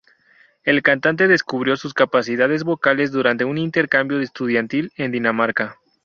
El cantante descubrió sus capacidades vocales durante un intercambio estudiantil en Dinamarca.